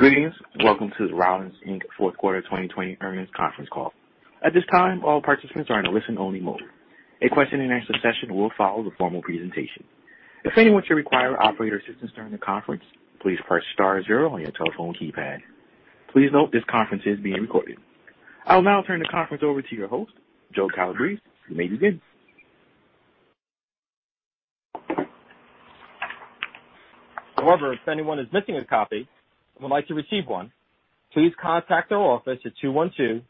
Greetings. Welcome to the Rollins, Inc. fourth quarter 2020 earnings conference call. I will now turn the conference over to your host, Joe Calabrese. You may begin. However, if anyone is missing a copy and would like to receive one, please contact our office at 212-827-3746,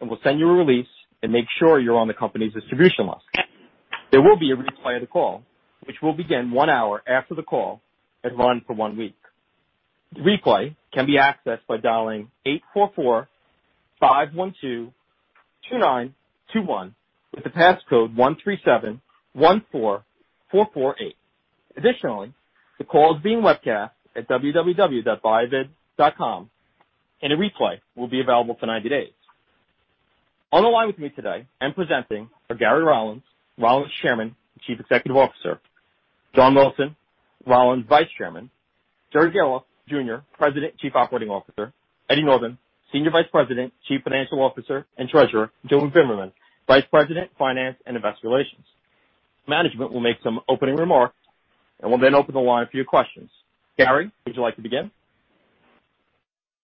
and we'll send you a release and make sure you're on the company's distribution list. There will be a replay of the call, which will begin one hour after the call and run for one week. The replay can be accessed by dialing 844-512-2921, with the passcode 137-14448. Additionally, the call is being webcast at www.viavid.com, and a replay will be available for 90 days. On the line with me today and presenting are Gary Rollins, Chairman and Chief Executive Officer. John Wilson, Rollins Vice Chairman. Jerry Gahlhoff Jr., President Chief Operating Officer. Eddie Northen, Senior Vice President, Chief Financial Officer and Treasurer. Julie Bimmerman, Vice President, Finance and Investor Relations. Management will make some opening remarks. We'll then open the line for your questions. Gary, would you like to begin?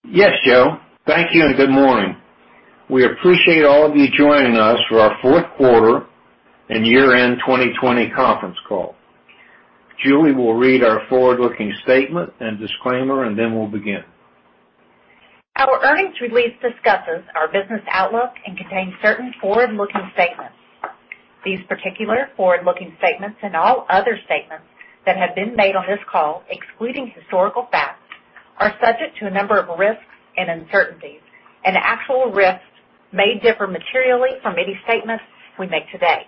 Yes, Joe. Thank you and good morning. We appreciate all of you joining us for our fourth quarter and year-end 2020 conference call. Julie will read our forward-looking statement and disclaimer, then we'll begin. Our earnings release discusses our business outlook and contains certain forward-looking statements. These particular forward-looking statements and all other statements that have been made on this call, excluding historical facts, are subject to a number of risks and uncertainties, and actual risks may differ materially from any statements we make today.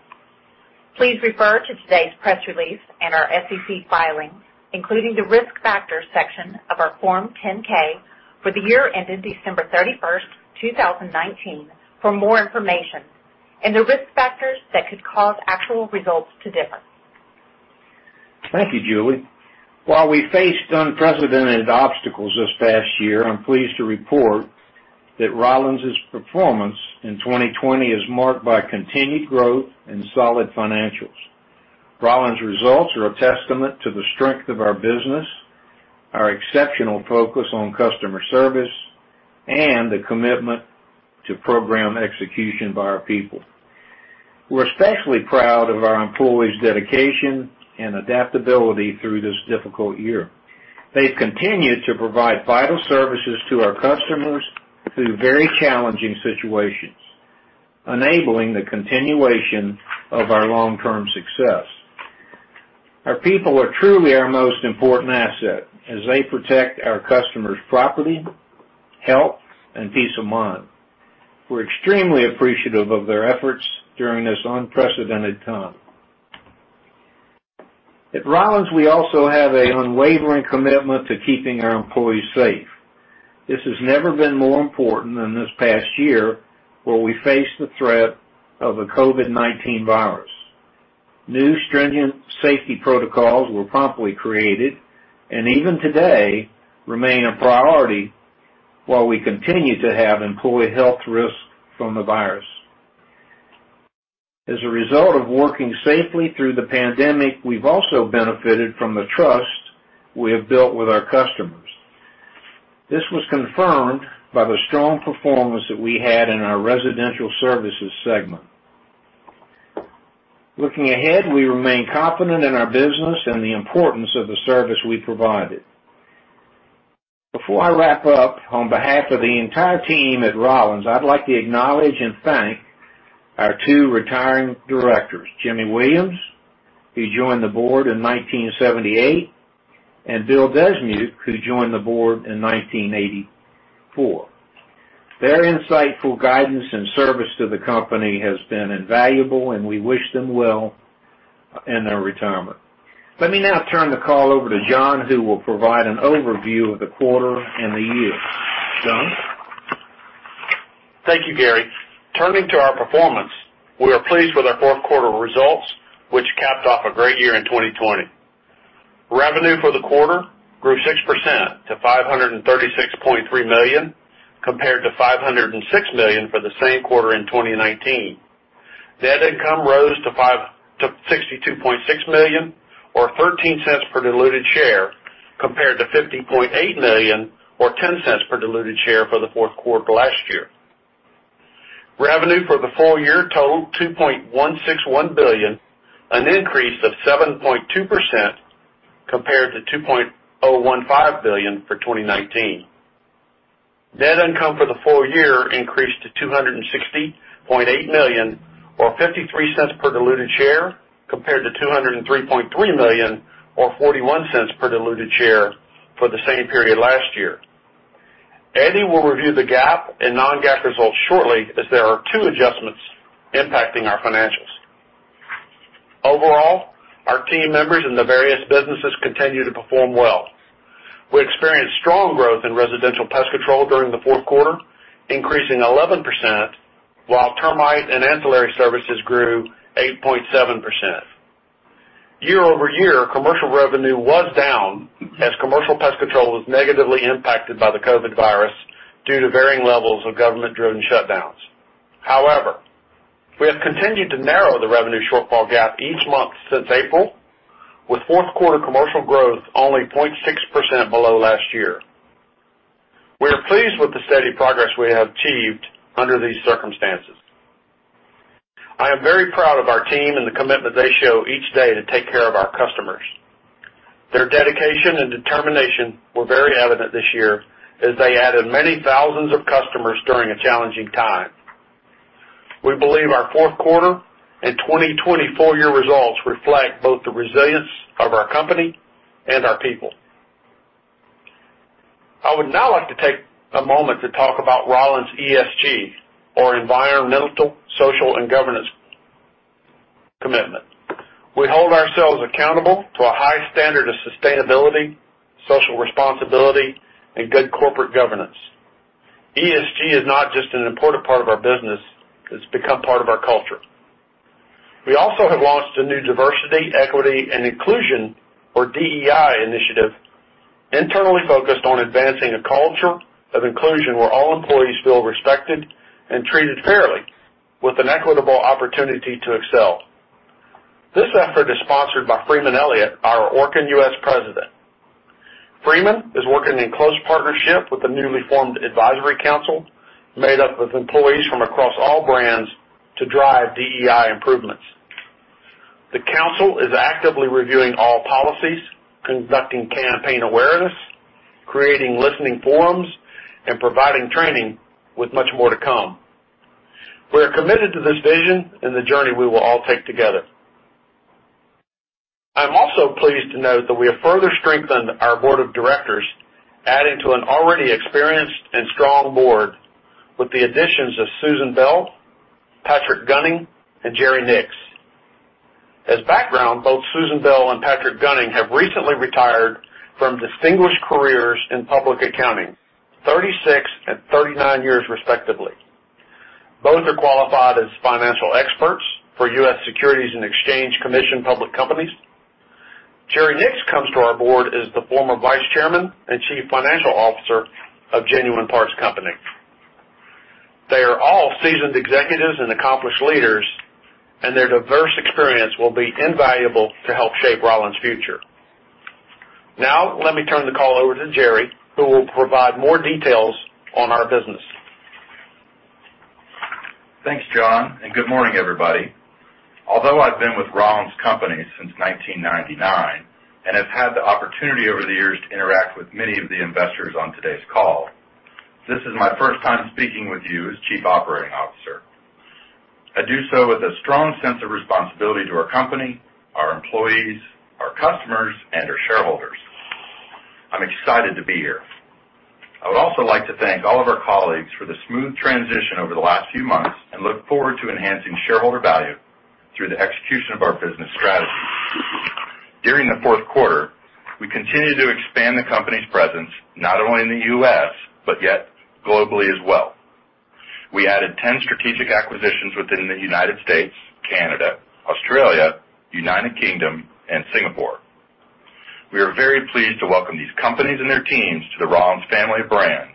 Please refer to today's press release and our SEC filing, including the risk factors section of our Form 10-K for the year ended December 31st, 2019, for more information and the risk factors that could cause actual results to differ. Thank you, Julie. While we faced unprecedented obstacles this past year, I'm pleased to report that Rollins's performance in 2020 is marked by continued growth and solid financials. Rollins results are a testament to the strength of our business, our exceptional focus on customer service, and the commitment to program execution by our people. We're especially proud of our employees' dedication and adaptability through this difficult year. They've continued to provide vital services to our customers through very challenging situations, enabling the continuation of our long-term success. Our people are truly our most important asset as they protect our customers' property, health, and peace of mind. We're extremely appreciative of their efforts during this unprecedented time. At Rollins, we also have an unwavering commitment to keeping our employees safe. This has never been more important than this past year, where we faced the threat of the COVID-19 virus. New stringent safety protocols were promptly created and even today remain a priority while we continue to have employee health risk from the virus. As a result of working safely through the pandemic, we've also benefited from the trust we have built with our customers. This was confirmed by the strong performance that we had in our residential services segment. Looking ahead, we remain confident in our business and the importance of the service we provided. Before I wrap up, on behalf of the entire team at Rollins, I'd like to acknowledge and thank our two retiring directors, Jimmy Williams, who joined the board in 1978, and Bill Dismuke, who joined the board in 1984. Their insightful guidance and service to the company has been invaluable, and we wish them well in their retirement. Let me now turn the call over to John, who will provide an overview of the quarter and the year. John? Thank you, Gary. Turning to our performance, we are pleased with our fourth quarter results, which capped off a great year in 2020. Revenue for the quarter grew 6% to $536.3 million, compared to $506 million for the same quarter in 2019. Net income rose to $62.6 million or $0.13 per diluted share, compared to $50.8 million or $0.10 per diluted share for the fourth quarter last year. Revenue for the full-year totaled $2.161 billion, an increase of 7.2% compared to $2.015 billion for 2019. Net income for the full-year increased to $260.8 million or $0.53 per diluted share compared to $203.3 million or $0.41 per diluted share for the same period last year. Eddie will review the GAAP and non-GAAP results shortly as there are two adjustments impacting our financials. Overall, our team members in the various businesses continue to perform well. We experienced strong growth in residential pest control during the fourth quarter, increasing 11%, while termite and ancillary services grew 8.7%. Year-over-year, commercial revenue was down as commercial pest control was negatively impacted by the COVID virus due to varying levels of government-driven shutdowns. However, we have continued to narrow the revenue shortfall gap each month since April, with fourth quarter commercial growth only 0.6% below last year. We're pleased with the steady progress we have achieved under these circumstances. I am very proud of our team and the commitment they show each day to take care of our customers. Their dedication and determination were very evident this year as they added many thousands of customers during a challenging time. We believe our fourth quarter and 2020 full-year results reflect both the resilience of our company and our people. I would now like to take a moment to talk about Rollins' ESG, or environmental, social, and governance commitment. We hold ourselves accountable to a high standard of sustainability, social responsibility, and good corporate governance. ESG is not just an important part of our business, it's become part of our culture. We also have launched a new diversity, equity, and inclusion, or DEI initiative, internally focused on advancing a culture of inclusion where all employees feel respected and treated fairly, with an equitable opportunity to excel. This effort is sponsored by Freeman Elliott, our Orkin U.S. President. Freeman is working in close partnership with the newly formed advisory council, made up of employees from across all brands to drive DEI improvements. The council is actively reviewing all policies, conducting campaign awareness, creating listening forums, and providing training with much more to come. We are committed to this vision and the journey we will all take together. I'm also pleased to note that we have further strengthened our board of directors, adding to an already experienced and strong board, with the additions of Susan Bell, Patrick Gunning, and Jerry Nix. As background, both Susan Bell and Patrick Gunning have recently retired from distinguished careers in public accounting, 36 and 39 years respectively. Both are qualified as financial experts for U.S. Securities and Exchange Commission public companies. Jerry Nix comes to our board as the former Vice Chairman and Chief Financial Officer of Genuine Parts Company. They are all seasoned executives and accomplished leaders, and their diverse experience will be invaluable to help shape Rollins' future. Now, let me turn the call over to Jerry, who will provide more details on our business. Thanks, John, and good morning, everybody. Although I've been with Rollins Company since 1999 and have had the opportunity over the years to interact with many of the investors on today's call, this is my first time speaking with you as Chief Operating Officer. I do so with a strong sense of responsibility to our company, our employees, our customers, and our shareholders. I'm excited to be here. I would also like to thank all of our colleagues for the smooth transition over the last few months and look forward to enhancing shareholder value through the execution of our business strategy. During the fourth quarter, we continued to expand the company's presence, not only in the U.S., but yet globally as well. We added 10 strategic acquisitions within the United States, Canada, Australia, United Kingdom, and Singapore. We are very pleased to welcome these companies and their teams to the Rollins family of brands.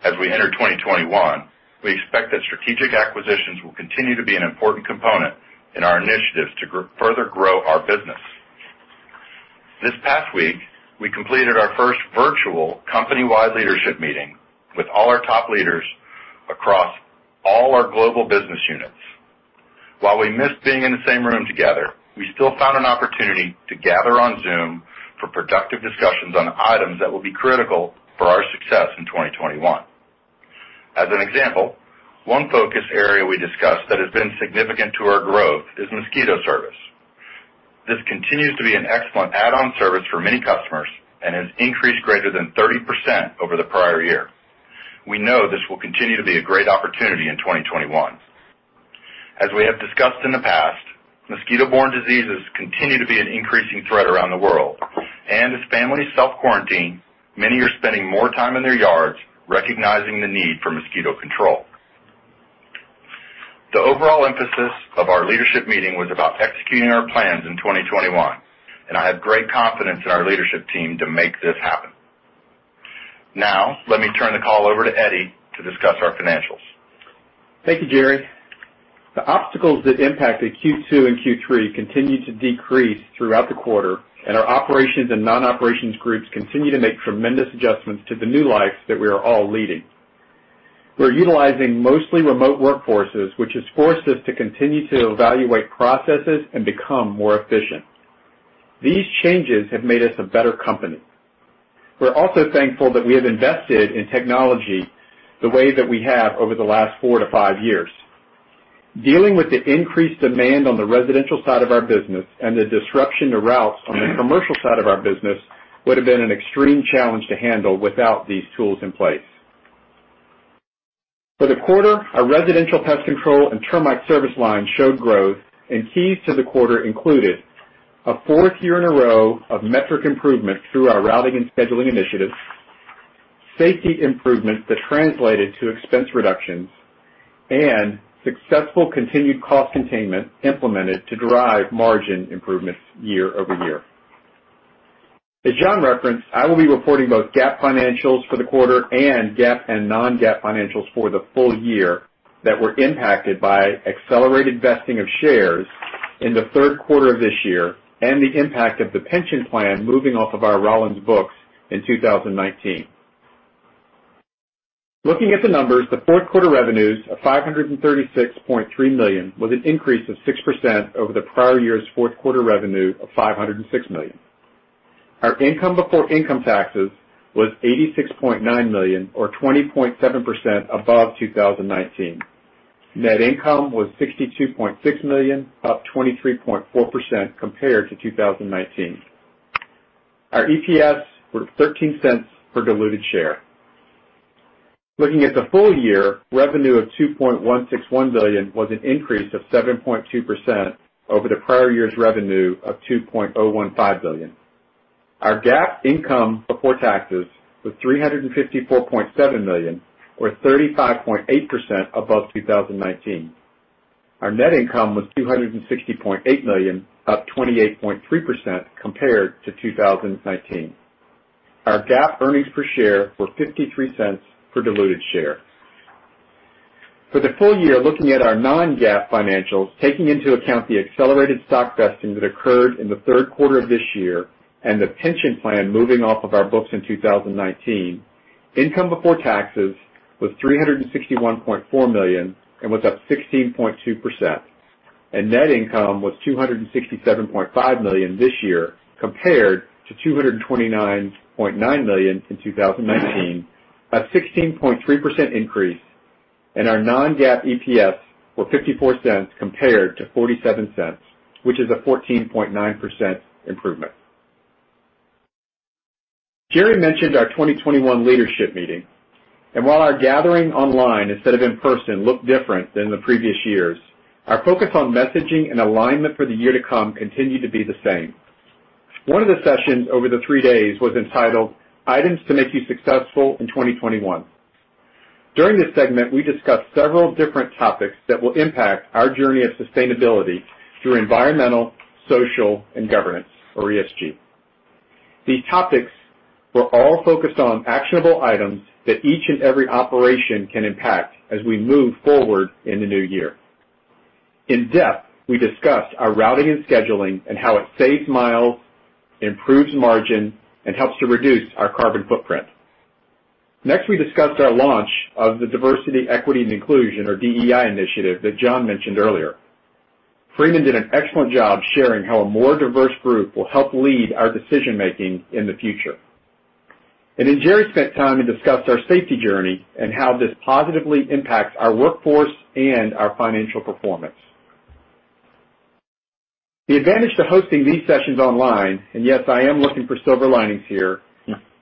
As we enter 2021, we expect that strategic acquisitions will continue to be an important component in our initiatives to further grow our business. This past week, we completed our first virtual company-wide leadership meeting with all our top leaders across all our global business units. While we missed being in the same room together, we still found an opportunity to gather on Zoom for productive discussions on items that will be critical for our success in 2021. As an example, one focus area we discussed that has been significant to our growth is mosquito service. This continues to be an excellent add-on service for many customers and has increased greater than 30% over the prior year. We know this will continue to be a great opportunity in 2021. As we have discussed in the past, mosquito-borne diseases continue to be an increasing threat around the world. As families self-quarantine, many are spending more time in their yards, recognizing the need for mosquito control. The overall emphasis of our leadership meeting was about executing our plans in 2021, and I have great confidence in our leadership team to make this happen. Now, let me turn the call over to Eddie to discuss our financials. Thank you, Jerry. The obstacles that impacted Q2 and Q3 continued to decrease throughout the quarter, and our operations and non-operations groups continue to make tremendous adjustments to the new lives that we are all leading. We're utilizing mostly remote workforces, which has forced us to continue to evaluate processes and become more efficient. These changes have made us a better company. We're also thankful that we have invested in technology the way that we have over the last four to five years. Dealing with the increased demand on the residential side of our business and the disruption to routes on the commercial side of our business would have been an extreme challenge to handle without these tools in place. For the quarter, our residential pest control and termite service line showed growth, and keys to the quarter included a fourth year in a row of metric improvement through our routing and scheduling initiatives, safety improvements that translated to expense reductions, and successful continued cost containment implemented to drive margin improvements year-over-year. As John referenced, I will be reporting both GAAP financials for the quarter and GAAP and non-GAAP financials for the full-year that were impacted by accelerated vesting of shares in the third quarter of this year, and the impact of the pension plan moving off of our Rollins books in 2019. Looking at the numbers, the fourth quarter revenues of $536.3 million was an increase of 6% over the prior year's fourth quarter revenue of $506 million. Our income before income taxes was $86.9 million or 20.7% above 2019. Net income was $62.6 million, up 23.4% compared to 2019. Our EPS were $0.13 per diluted share. Looking at the full-year, revenue of $2.161 billion was an increase of 7.2% over the prior year's revenue of $2.015 billion. Our GAAP income before taxes was $354.7 million or 35.8% above 2019. Our net income was $260.8 million, up 28.3% compared to 2019. Our GAAP earnings per share were $0.53 per diluted share. For the full-year, looking at our non-GAAP financials, taking into account the accelerated stock vesting that occurred in the third quarter of this year, and the pension plan moving off of our books in 2019, income before taxes was $361.4 million and was up 16.2%, and net income was $267.5 million this year, compared to $229.9 million in 2019, a 16.3% increase, and our non-GAAP EPS were $0.54 compared to $0.47, which is a 14.9% improvement. Jerry mentioned our 2021 leadership meeting, and while our gathering online instead of in person looked different than the previous years, our focus on messaging and alignment for the year to come continued to be the same. One of the sessions over the three days was entitled Items to Make You Successful in 2021. During this segment, we discussed several different topics that will impact our journey of sustainability through environmental, social, and governance or ESG. These topics were all focused on actionable items that each and every operation can impact as we move forward in the new year. In-depth, we discussed our routing and scheduling and how it saves miles, improves margin, and helps to reduce our carbon footprint. Next, we discussed our launch of the diversity, equity and inclusion or DEI initiative that John mentioned earlier. Freeman did an excellent job sharing how a more diverse group will help lead our decision-making in the future. Jerry spent time to discuss our safety journey and how this positively impacts our workforce and our financial performance. The advantage to hosting these sessions online, and yes, I am looking for silver linings here,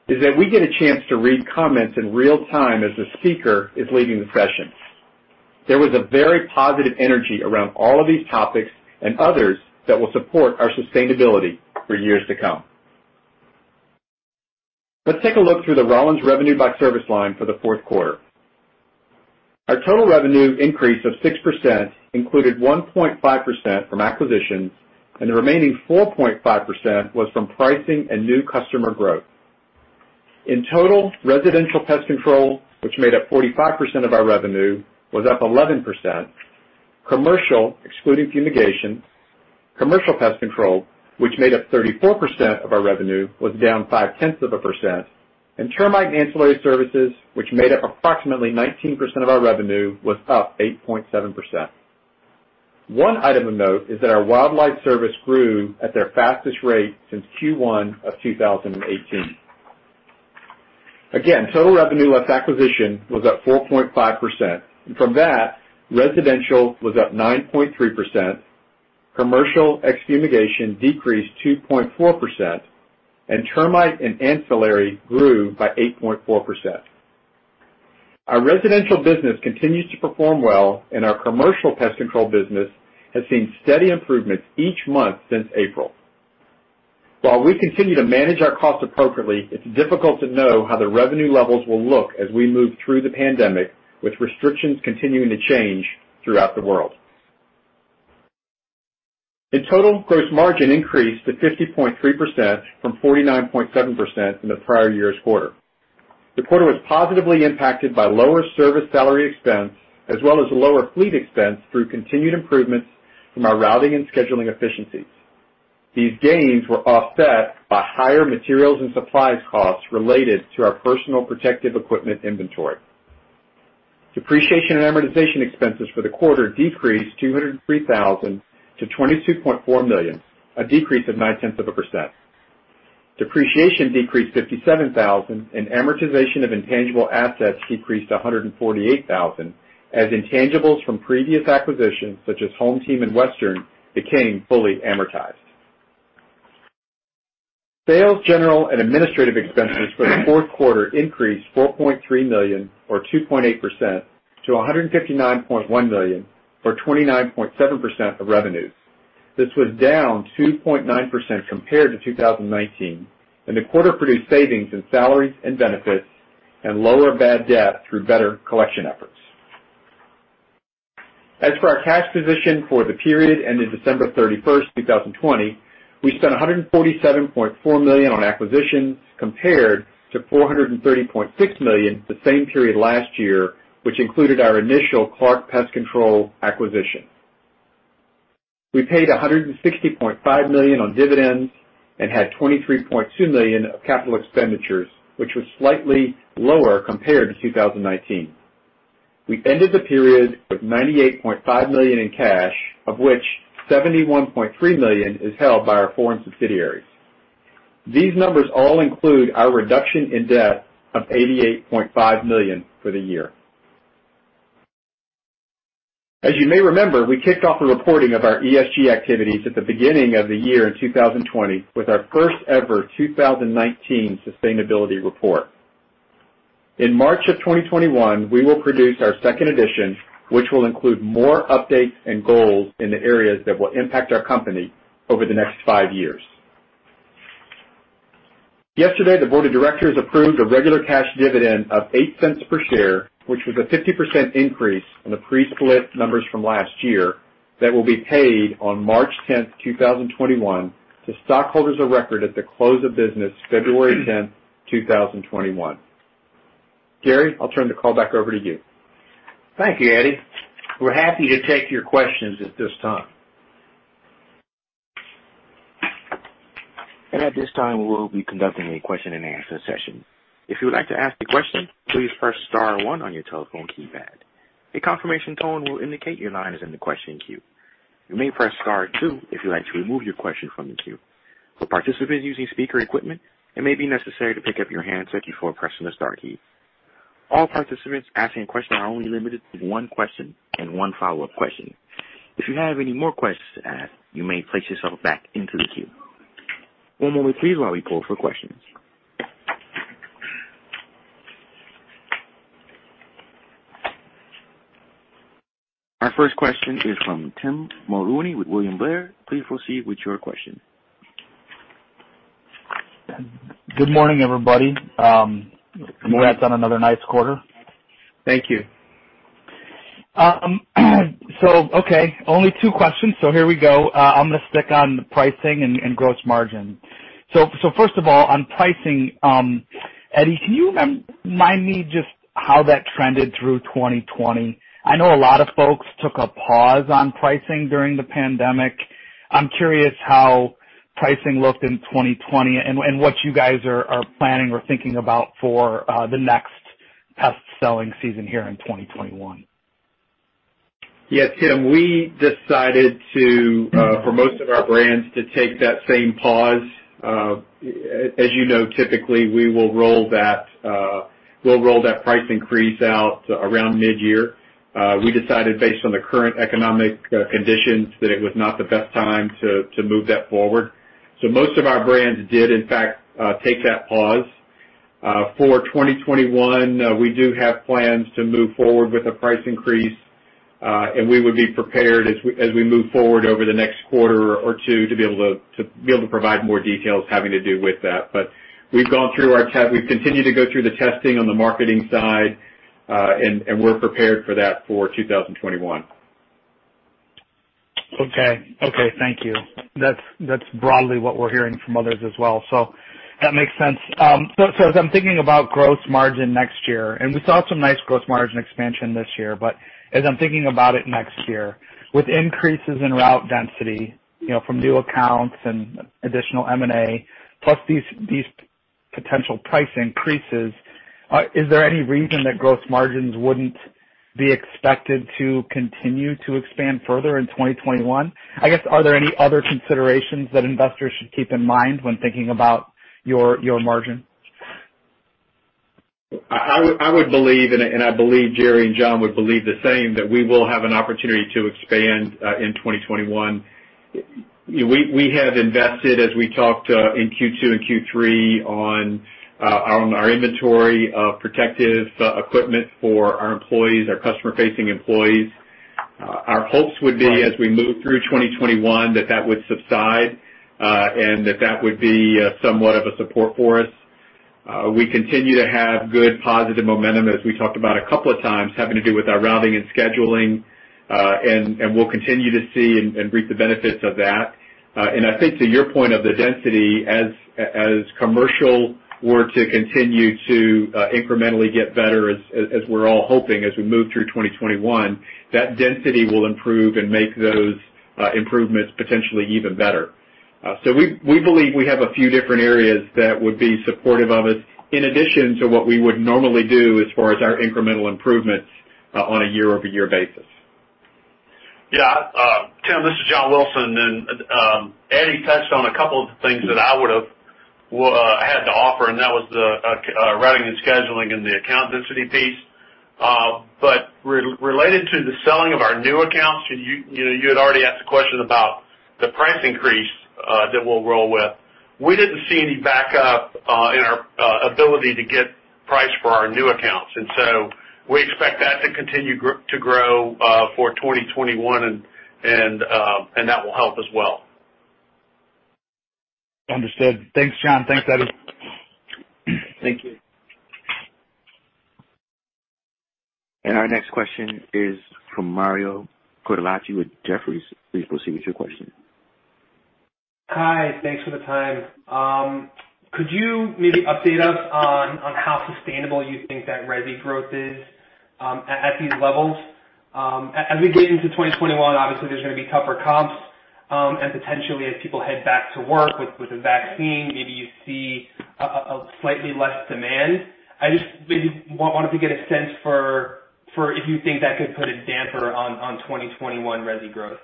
is that we get a chance to read comments in real time as the speaker is leading the sessions. There was a very positive energy around all of these topics and others that will support our sustainability for years to come. Let's take a look through the Rollins revenue by service line for the fourth quarter. Our total revenue increase of 6% included 1.5% from acquisitions, and the remaining 4.5% was from pricing and new customer growth. In total, residential pest control, which made up 45% of our revenue, was up 11%. Commercial, excluding fumigation, commercial pest control, which made up 34% of our revenue, was down 0.5%, and termite and ancillary services, which made up approximately 19% of our revenue, was up 8.7%. One item of note is that our wildlife service grew at their fastest rate since Q1 of 2018. Again, total revenue less acquisition was up 4.5%, and from that, residential was up 9.3%, commercial ex-fumigation decreased 2.4%, and termite and ancillary grew by 8.4%. Our residential business continues to perform well, and our commercial pest control business has seen steady improvements each month since April. While we continue to manage our costs appropriately, it's difficult to know how the revenue levels will look as we move through the pandemic, with restrictions continuing to change throughout the world. In total, gross margin increased to 50.3% from 49.7% in the prior year's quarter. The quarter was positively impacted by lower service salary expense, as well as lower fleet expense through continued improvements from our routing and scheduling efficiencies. These gains were offset by higher materials and supplies costs related to our personal protective equipment inventory. Depreciation and amortization expenses for the quarter decreased $203,000 to $22.4 million, a decrease of 0.9%. Depreciation decreased $57,000, and amortization of intangible assets decreased $148,000 as intangibles from previous acquisitions such as HomeTeam and Western became fully amortized. Sales, general, and administrative expenses for the fourth quarter increased $4.3 million, or 2.8%, to $159.1 million, or 29.7% of revenues. This was down 2.9% compared to 2019. The quarter produced savings in salaries and benefits and lower bad debt through better collection efforts. As for our cash position for the period ending December 31st, 2020, we spent $147.4 million on acquisitions compared to $430.6 million the same period last year, which included our initial Clark Pest Control acquisition. We paid $160.5 million on dividends and had $23.2 million of capital expenditures, which was slightly lower compared to 2019. We ended the period with $98.5 million in cash, of which $71.3 million is held by our foreign subsidiaries. These numbers all include our reduction in debt of $88.5 million for the year. As you may remember, we kicked off the reporting of our ESG activities at the beginning of the year in 2020 with our first ever 2019 sustainability report. In March of 2021, we will produce our second edition, which will include more updates and goals in the areas that will impact our company over the next five years. Yesterday, the Board of Directors approved a regular cash dividend of $0.08 per share, which was a 50% increase on the pre-split numbers from last year, that will be paid on March 10th, 2021, to stockholders of record at the close of business February 10th, 2021. Gary, I'll turn the call back over to you. Thank you, Eddie. We're happy to take your questions at this time. Our first question is from Tim Mulrooney with William Blair. Please proceed with your question. Good morning, everybody. Good morning. Congrats on another nice quarter. Thank you. Okay. Only two questions, here we go. I'm going to stick on the pricing and gross margin. First of all, on pricing, Eddie, can you remind me just how that trended through 2020? I know a lot of folks took a pause on pricing during the pandemic. I'm curious how pricing looked in 2020 and what you guys are planning or thinking about for the next pest selling season here in 2021. Yeah, Tim, we decided to, for most of our brands, to take that same pause. As you know, typically, we'll roll that price increase out around mid-year. We decided based on the current economic conditions that it was not the best time to move that forward. Most of our brands did in fact take that pause. For 2021, we do have plans to move forward with a price increase. We would be prepared as we move forward over the next quarter or two to be able to provide more details having to do with that. We've continued to go through the testing on the marketing side, and we're prepared for that for 2021. Okay. Thank you. That's broadly what we're hearing from others as well. That makes sense. As I'm thinking about gross margin next year, and we saw some nice gross margin expansion this year, but as I'm thinking about it next year, with increases in route density from new accounts and additional M&A, plus these potential price increases, is there any reason that gross margins wouldn't be expected to continue to expand further in 2021? I guess, are there any other considerations that investors should keep in mind when thinking about your margin? I would believe, and I believe Jerry and John would believe the same, that we will have an opportunity to expand, in 2021. We have invested, as we talked, in Q2 and Q3, on our inventory of protective equipment for our employees, our customer-facing employees. Our hopes would be as we move through 2021, that that would subside, and that that would be somewhat of a support for us. We continue to have good positive momentum as we talked about a couple of times, having to do with our routing and scheduling. We'll continue to see and reap the benefits of that. I think to your point of the density, as commercial were to continue to incrementally get better as we're all hoping as we move through 2021, that density will improve and make those improvements potentially even better. We believe we have a few different areas that would be supportive of us in addition to what we would normally do as far as our incremental improvements on a year-over-year basis. Yeah. Tim, this is John Wilson. Eddie touched on a couple of the things that I would've had to offer, and that was the routing and scheduling and the account density piece. Related to the selling of our new accounts, you had already asked a question about the price increase that we'll roll with. We didn't see any backup in our ability to get price for our new accounts. We expect that to continue to grow for 2021, and that will help as well. Understood. Thanks, John. Thanks, Eddie. Thank you. Our next question is from Mario Cortellacci with Jefferies. Please proceed with your question. Hi, thanks for the time. Could you maybe update us on how sustainable you think that resi growth is at these levels? As we get into 2021, obviously, there's going to be tougher comps, and potentially as people head back to work with the vaccine, maybe you see slightly less demand. I just maybe wanted to get a sense for if you think that could put a damper on 2021 resi growth.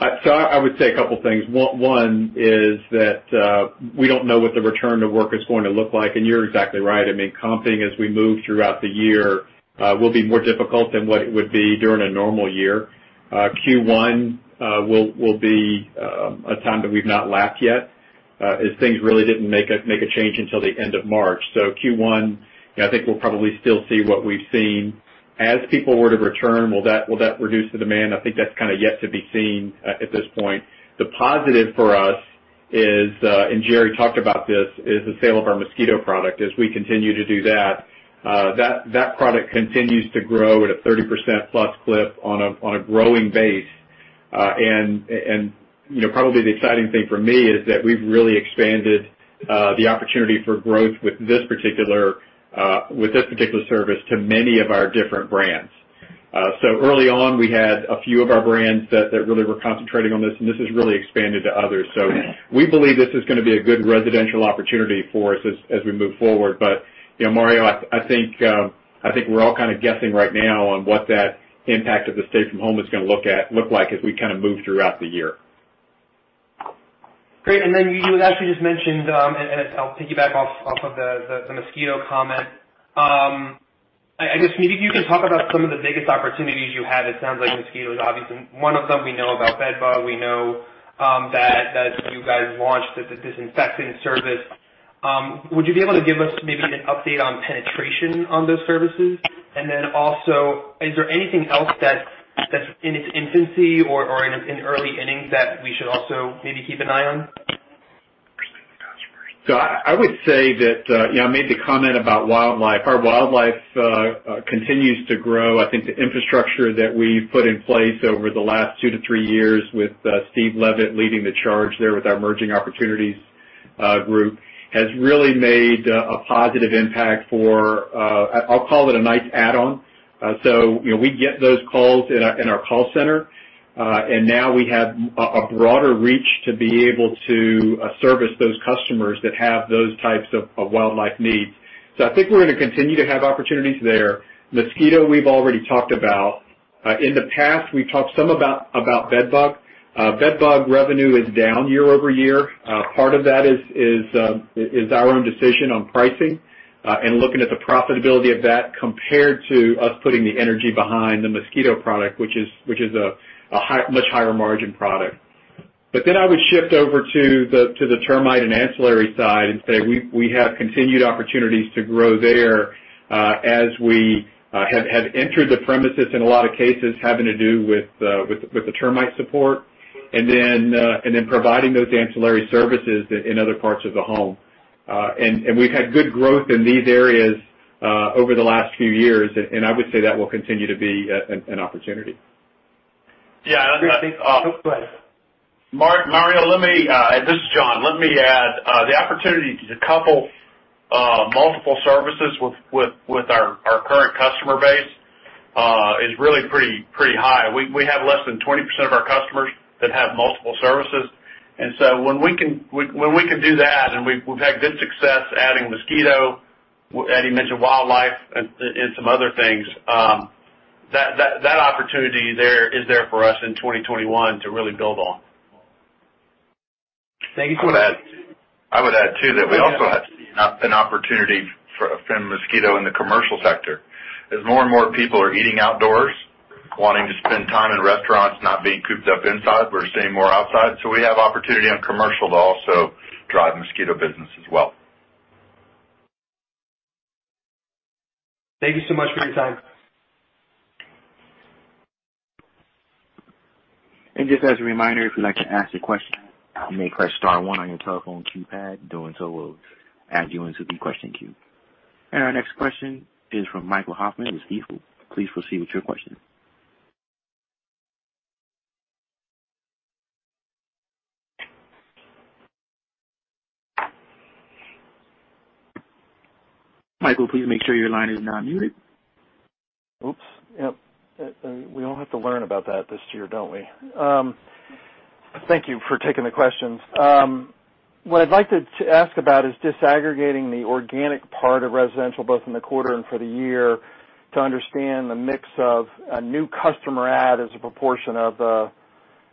I would say a couple things. One is that we don't know what the return to work is going to look like, and you're exactly right. Comping as we move throughout the year will be more difficult than what it would be during a normal year. Q1 will be a time that we've not lapped yet, as things really didn't make a change until the end of March. Q1, I think we'll probably still see what we've seen. As people were to return, will that reduce the demand? I think that's yet to be seen at this point. The positive for us is, and Jerry talked about this, is the sale of our mosquito product as we continue to do that. That product continues to grow at a 30%+ clip on a growing base. Probably the exciting thing for me is that we've really expanded the opportunity for growth with this particular service to many of our different brands. Early on, we had a few of our brands that really were concentrating on this, and this has really expanded to others. We believe this is going to be a good residential opportunity for us as we move forward. Mario, I think we're all kind of guessing right now on what that impact of the stay-at-home is going to look like as we move throughout the year. Great. Then you had actually just mentioned, and I'll piggyback off of the mosquito comment. I guess maybe if you could talk about some of the biggest opportunities you have. It sounds like mosquito is obviously one of them. We know about bedbug. We know that you guys launched the disinfecting service. Would you be able to give us maybe an update on penetration on those services? Then also, is there anything else that's in its infancy or in early innings that we should also maybe keep an eye on? I would say that I made the comment about wildlife. Our wildlife continues to grow. I think the infrastructure that we've put in place over the last two to three years with Steve Leavitt leading the charge there with our Emerging Opportunity Group has really made a positive impact for, I'll call it a nice add-on. We get those calls in our call center, and now we have a broader reach to be able to service those customers that have those types of wildlife needs. I think we're going to continue to have opportunities there. Mosquito, we've already talked about. In the past, we've talked some about bedbug. Bedbug revenue is down year-over-year. Part of that is our own decision on pricing, and looking at the profitability of that compared to us putting the energy behind the mosquito product, which is a much higher margin product. I would shift over to the termite and ancillary side and say we have continued opportunities to grow there as we have entered the premises in a lot of cases having to do with the termite support, and then providing those ancillary services in other parts of the home. We've had good growth in these areas over the last few years, and I would say that will continue to be an opportunity. Yeah- Go ahead. Mario, this is John. Let me add, the opportunity to couple multiple services with our current customer base is really pretty high. We have less than 20% of our customers that have multiple services. When we can do that, and we've had good success adding mosquito, Eddie mentioned wildlife, and some other things, that opportunity is there for us in 2021 to really build on. Thank you. I would add, too, that we also have an opportunity for mosquito in the commercial sector. As more and more people are eating outdoors, wanting to spend time in restaurants, not being cooped up inside, we're seeing more outside. We have opportunity on commercial to also drive mosquito business as well. Thank you so much for your time. Just as a reminder, if you'd like to ask a question, you may press star one on your telephone keypad. Doing so will add you into the question queue. Our next question is from Michael Hoffman with Stifel. Please proceed with your question. Michael, please make sure your line is not muted. Yep. We all have to learn about that this year, don't we? Thank you for taking the questions. What I'd like to ask about is disaggregating the organic part of residential, both in the quarter and for the year, to understand the mix of a new customer add as a proportion of the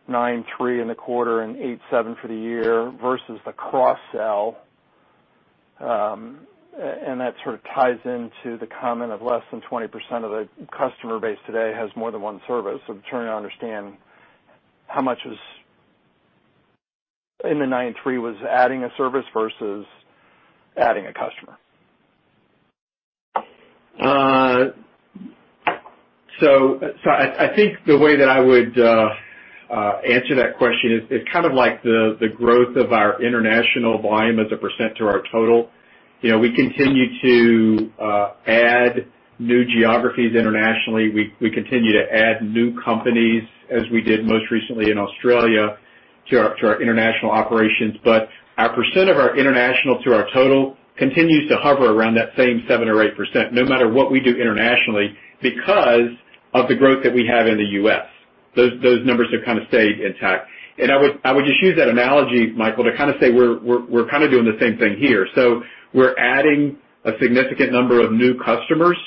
9.3 in the quarter and 8.7 for the year versus the cross-sell. That sort of ties into the comment of less than 20% of the customer base today has more than one service. I'm trying to understand how much is in the 9.3 was adding a service versus adding a customer. I think the way that I would answer that question is kind of like the growth of our international volume as a percent to our total. We continue to add new geographies internationally. We continue to add new companies, as we did most recently in Australia, to our international operations. Our percent of our international to our total continues to hover around that same 7% or 8%, no matter what we do internationally because of the growth that we have in the U.S. Those numbers have kind of stayed intact. I would just use that analogy, Michael, to kind of say we're kind of doing the same thing here. We're adding a significant number of new customers,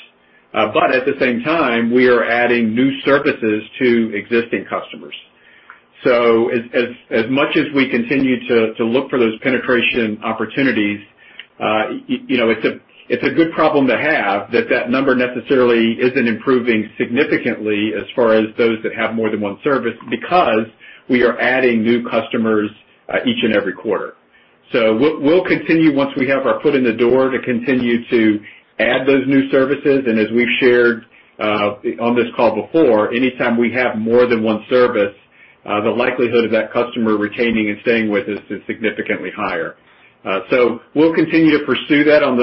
but at the same time, we are adding new services to existing customers. As much as we continue to look for those penetration opportunities, it's a good problem to have that number necessarily isn't improving significantly as far as those that have more than one service because we are adding new customers each and every quarter. We'll continue, once we have our foot in the door, to continue to add those new services. As we've shared on this call before, anytime we have more than one service, the likelihood of that customer retaining and staying with us is significantly higher. We'll continue to pursue that on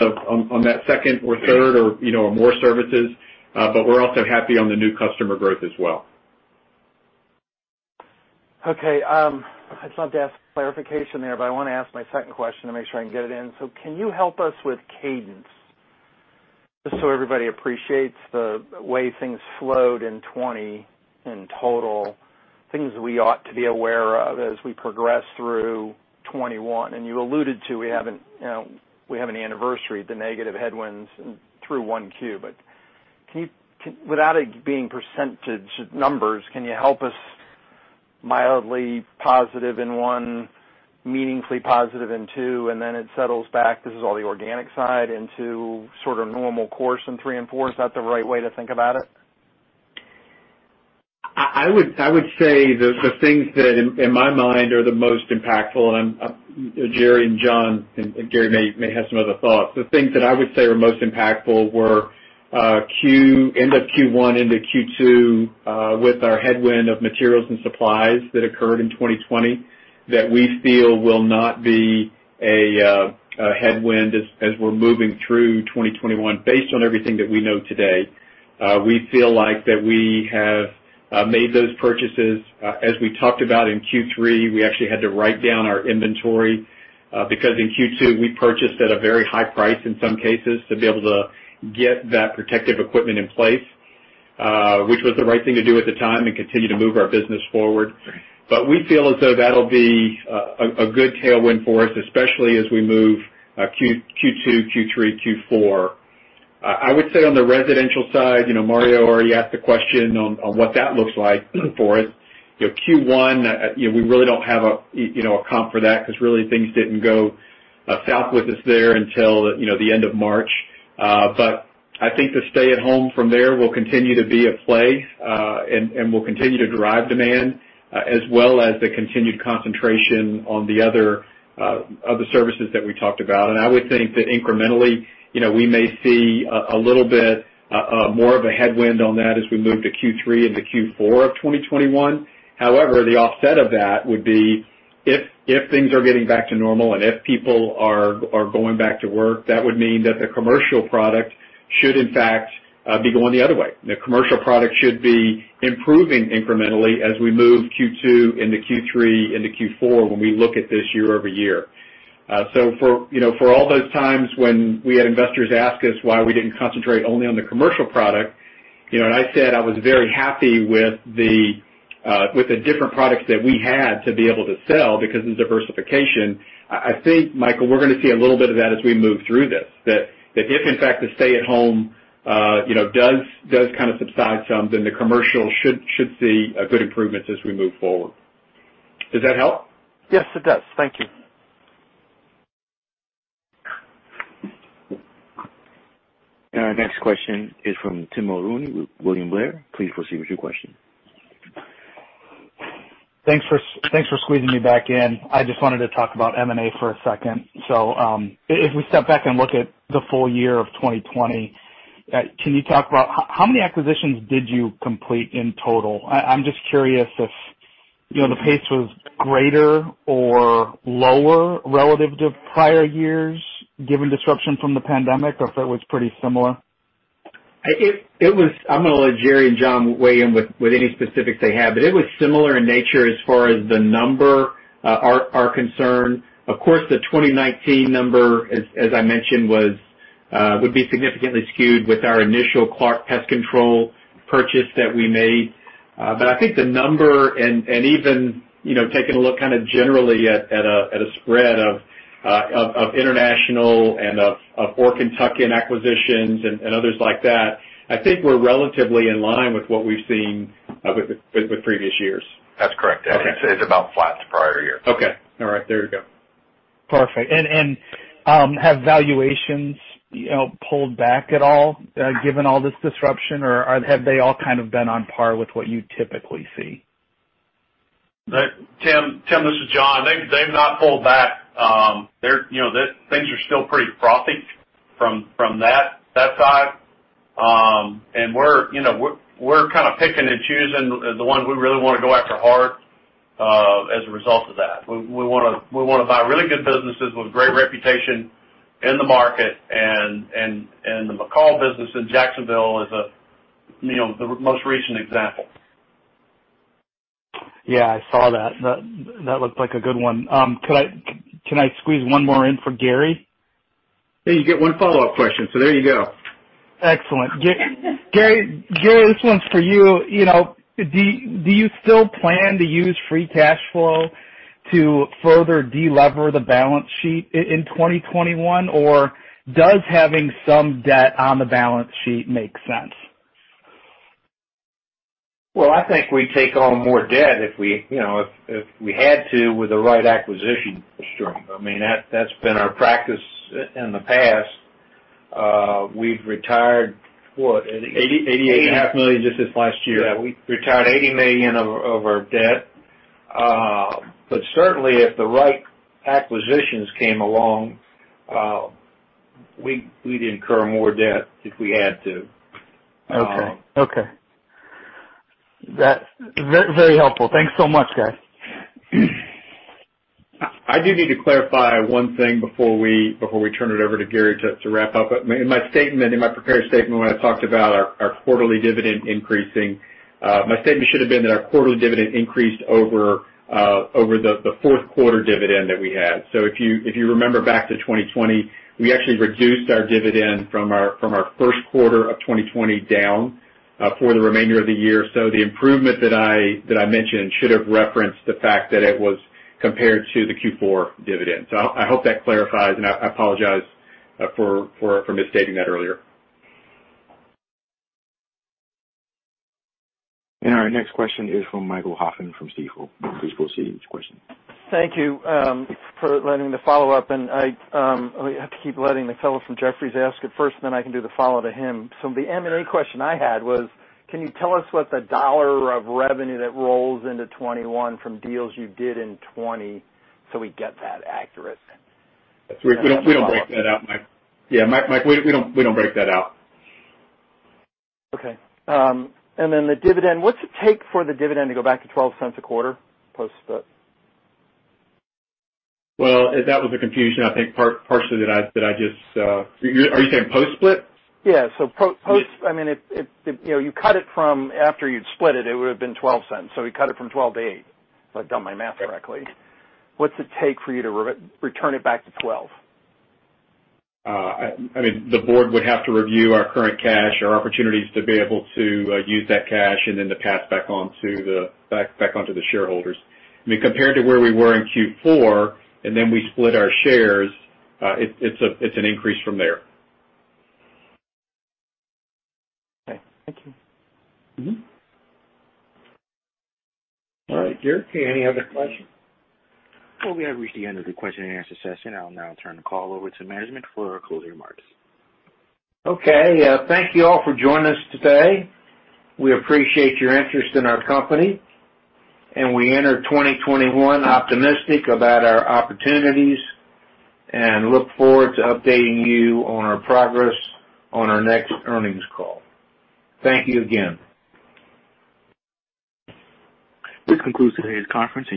that second or third or more services. We're also happy on the new customer growth as well. Okay. I'd love to ask for clarification there, but I want to ask my second question to make sure I can get it in. Can you help us with cadence just so everybody appreciates the way things flowed in 2020 in total, things we ought to be aware of as we progress through 2021? You alluded to we have an anniversary, the negative headwinds through 1Q. Without it being percentage numbers, can you help us mildly positive in one, meaningfully positive in two, and then it settles back, this is all the organic side, into sort of normal course in three and four? Is that the right way to think about it? I would say the things that, in my mind, are the most impactful, and Jerry and John and Gary may have some other thoughts. The things that I would say are most impactful were end of Q1 into Q2 with our headwind of materials and supplies that occurred in 2020 that we feel will not be a headwind as we're moving through 2021. Based on everything that we know today, we feel like that we have made those purchases. As we talked about in Q3, we actually had to write down our inventory because in Q2, we purchased at a very high price in some cases to be able to get that protective equipment in place, which was the right thing to do at the time, and continue to move our business forward. We feel as though that'll be a good tailwind for us, especially as we move Q2, Q3, Q4. I would say on the residential side, Mario already asked a question on what that looks like for us. Q1, we really don't have a comp for that because really things didn't go south with us there until the end of March. I think the stay at home from there will continue to be at play, and will continue to drive demand, as well as the continued concentration on the other services that we talked about. I would think that incrementally we may see a little bit more of a headwind on that as we move to Q3 into Q4 of 2021. However, the offset of that would be if things are getting back to normal and if people are going back to work, that would mean that the commercial product should in fact be going the other way. The commercial product should be improving incrementally as we move Q2 into Q3 into Q4 when we look at this year-over-year. For all those times when we had investors ask us why we didn't concentrate only on the commercial product, and I said I was very happy with the different products that we had to be able to sell because of diversification. I think, Michael, we're going to see a little bit of that as we move through this. If in fact the stay at home does kind of subside some, then the commercial should see a good improvement as we move forward. Does that help? Yes, it does. Thank you. Our next question is from Tim Mulrooney with William Blair. Please proceed with your question. Thanks for squeezing me back in. I just wanted to talk about M&A for a second. If we step back and look at the full-year of 2020, can you talk about how many acquisitions did you complete in total? I'm just curious if the pace was greater or lower relative to prior years given disruption from the pandemic, or if it was pretty similar. I'm going to let Jerry and John weigh in with any specifics they have, but it was similar in nature as far as the number are concerned. Of course, the 2019 number, as I mentioned, would be significantly skewed with our initial Clark Pest Control purchase that we made. I think the number and even taking a look kind of generally at a spread of international and of Orkin, tuck-in acquisitions and others like that, I think we're relatively in line with what we've seen with previous years. That’s correct, Eddie. It’s about flat to prior year. Okay. All right, there we go. Perfect. Have valuations pulled back at all given all this disruption? Have they all kind of been on par with what you typically see? Tim, this is John. They've not pulled back. Things are still pretty frothy from that side. We're kind of picking and choosing the ones we really want to go after hard as a result of that. We want to buy really good businesses with great reputation in the market and the McCall business in Jacksonville is the most recent example. Yeah, I saw that. That looked like a good one. Can I squeeze one more in for Gary? Yeah, you get one follow-up question, so there you go. Excellent. Gary, this one's for you. Do you still plan to use free cash flow to further de-lever the balance sheet in 2021? Does having some debt on the balance sheet make sense? Well, I think we'd take on more debt if we had to with the right acquisition stream. That's been our practice in the past. We've retired. $88.5 million just this last year. Yeah. We retired $80 million of our debt. Certainly, if the right acquisitions came along, we'd incur more debt if we had to. Okay, that's very helpful. Thanks so much, guys. I do need to clarify one thing before we turn it over to Gary to wrap up. In my prepared statement, when I talked about our quarterly dividend increasing, my statement should have been that our quarterly dividend increased over the fourth quarter dividend that we had. If you remember back to 2020, we actually reduced our dividend from our first quarter of 2020 down for the remainder of the year. The improvement that I mentioned should have referenced the fact that it was compared to the Q4 dividend. I hope that clarifies, and I apologize for misstating that earlier. Our next question is from Michael Hoffman from Stifel. Please proceed with your question. Thank you for letting me follow up. I have to keep letting the fellow from Jefferies ask it first, then I can do the follow to him. The M&A question I had was, can you tell us what the dollar of revenue that rolls into 2021 from deals you did in 2020, so we get that accurate? We don't break that out, Mike. Yeah, Mike, we don't break that out. Okay. The dividend, what's it take for the dividend to go back to $0.12 a quarter post-split? Well, that was the confusion, I think partially. Are you saying post-split? Yeah. You cut it from after you'd split it would've been $0.12, so we cut it from $0.12-$0.08, if I've done my math correctly. What's it take for you to return it back to $0.12? The board would have to review our current cash, our opportunities to be able to use that cash, and then to pass back onto the shareholders. Compared to where we were in Q4, and then we split our shares, it's an increase from there. Okay, thank you. All right, do you see any other questions? Well, we have reached the end of the question-and-answer session. I'll now turn the call over to management for closing remarks. Okay, thank you all for joining us today. We appreciate your interest in our company, and we enter 2021 optimistic about our opportunities and look forward to updating you on our progress on our next earnings call. Thank you again. This concludes today's conference.